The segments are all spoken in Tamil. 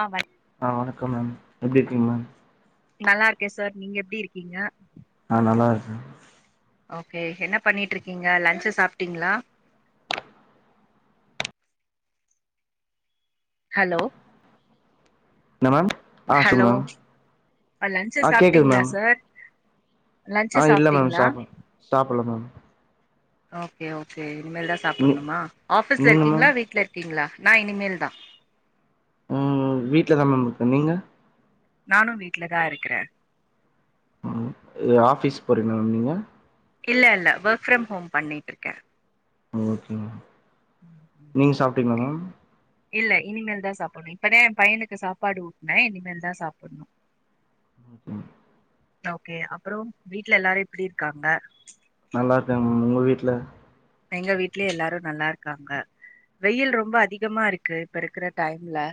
ஆ வணக் ஆ வணக்கம் மேம் எப்டி இருக்கீங்க மேம் நல்லாருக்கே சார் நீங்க எப்டி இருக்கீங்க நா நல்லாருக்கே ஓகே என்ன பண்ணீட்ருக்கீங்க லன்சு சாப்டீங்ளா ஹலோ என்ன மேம் ஆ சொல் ஹலோ மேம் லன்ச்சு ஆ கேக்குது சாப்ட்டீங்களா மேம் சார் லன்ச்சு ஆ இல்ல மேம் சாப்ட்டீங்களா சாப்புட்ன் சாப்புட்ல மேம் ஓகே ஓகே இனிமேல் தா நீ சாப்புட்ணுமா ஆபீஸ்ல நீங்க மேம் இருக்கீங்ளா வீட்ல இருக்கீங்ளா நா இனிமேல்தா உம் வீட்லதா மேம் இருக்க நீங்க நானு வீட்லதா இருக்குறே ம் இது ஆஃபீஸ் போறீங்ளா மேம் நீங்க இல்ல இல்ல ஒர்க் ஃப்ரம் ஹோம் பண்ணீட்ருக்கே ஓகே மேம் நீங்க சாப்டீங்ளா ஓகே மேம் இல்ல இனிமேல்தா சாப்புட்ணு இப்பதா ஏ பையனுக்கு சாப்பாடு ஊட்ன இனிமேல்தா சாப்புட்ணு ம் ஓகே அப்றோ வீட்ல எல்லாரு எப்டி இருக்காங்க நல்லாருக்காங்க மேம் உங்க வீட்ல எங்க வீட்ல எல்லாரு நல்லாருக்காங்க வெயில் ரொம்ப அதிகமா இருக்கு இப்ப இருக்குற டைம்ல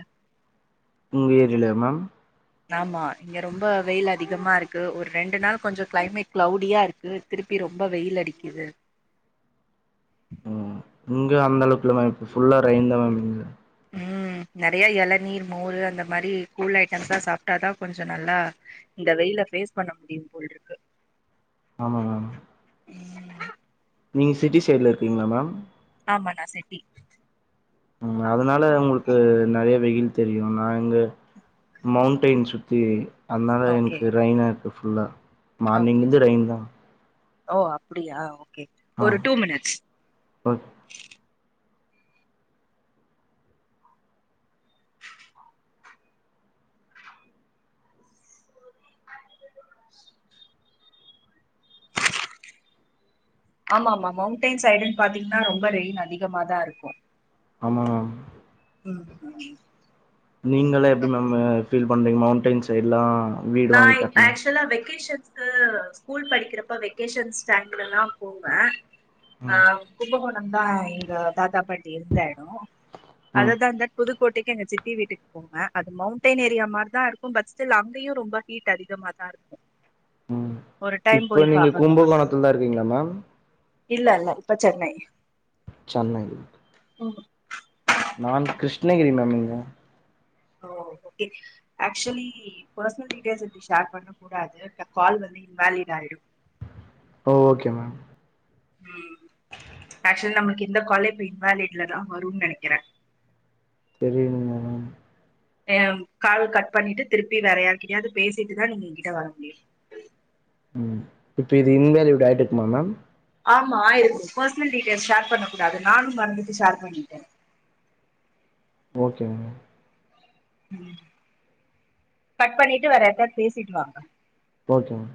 உங்க ஏரியாலயா மேம் ஆமா இங்க ரொம்ப வெயில் அதிகமா இருக்கு ஒரு ரெண்டு நாள் கொஞ்சோ கிளைமேட் க்ளௌடியா இருக்கு திருப்பி ரொம்ப வெயில் அடிக்கிது ம் இங்க அந்தளவுக்கில்ல மேம் இப்ப ஃபுல்லா ரைன்தா மேம் இங்க ம் நெறையா எளநீர் மோரு அந்த மாரி கூல் ஐட்டம்ஸ்லா சாப்டாதா கொஞ்சோ நல்லா இந்த வெயில பேஸ் பண்ண முடியும் போல்ருக்கு ஆமாங்க ஆ என் நீங்க சிட்டி சைட்ல இருக்கீங்ளா மேம் ஆமா நா சென்டி ம் அதுனால உங்களுக்கு நெறையா வெயில் தெரியு நா இங்க மவுண்ட்டெய்ன் சுத்தி அதுனால ஓகே எனக்கு ரெய்னா இருக்கு ஃபுல்லா மார்னிங் ஓகே இருந்து ஓகே ரெயின் தா ஓ அப்டியா ஓகே ஆ ஒரு டூ மினிட்ஸ் ஓக் ஆமாமாமா மௌண்டெய்ன் சைடுன் பாத்தீங்கனா ரொம்ப ரெயின் அதிகமாதா இருக்கு ஆமா மேம் ம் நீங்களா எப்டி ஓகே மேமு ஃபீல் பண்றீங்க மௌண்டன் சைட்லா வீடு வாங்கி நாய் கட்னா ஆக்சுலா வெக்கேஷன்ஸ் கு ஸ்கூல் படிக்கிறப்ப வெக்கேஷன் ஸ்டேன்டுடுன்னா போவே அ ம் கும்பகோணந்தா இங்க தாத்தா பாட்டி இருந்த எடோ ம் அததா இந்த புதுக்கோட்டைக்கு எங்க சித்தி வீட்டுக்கு போங்க அது மவுண்டெய்ன் ஏரியா மாரிதா இருக்கு பட் ஸ்டில் அங் கயு ரொம்ப ஹீட் அதிகமாதா இருக்கு ம் ஒரு டைம் இப்போ போய் நீங்க பாக்கணூ கும்பகோணத்துல தா இருக்கீங்களா மேம் இல்லல்ல இப்ப சென்னை சென்னைலு உம் நான் கிருஷ்ணகிரி மேம் இங்க ஓ ஓகே ஆக்சுலி பர்சனல் டீட்டெய்ல்ஸ் இப்டி ஷேர் பண்ண கூடாது ட கால் வந்து இன்வேலிட் ஆயிடு ஓ ஓகே மேம் ஹ ஆக்சுல் நம்ளுக் இந்த காலே இப்ப இன்வாலிட்ல தா வருந நெனக்கிற தெரிய்லிங்லே மேம் ஏம் கால் கட் பண்ணிட்டு திருப்பி வேற யாக்கிட்டாது பேசிட்டுதா நீங்க ஏங்கிட்ட வர முடியு ம் இப்ப இது இன்வேல்யூட் ஆயிட்ருக்குமா மேம் ஆமா எஸ் பர்ஸ்னல் டீட்டெயல்ஸ் ஷேர் பண்ணக்க கூடாது நானு மறந்துட்டு ஷேர் பண்ணிட்டே ஓகே மேம் கட் பண்ணிட்டு வேற யார்ட்யாவ்து பேசிட்டு வாங்க ஓகே மேம்